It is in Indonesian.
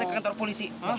sampai kantor polisi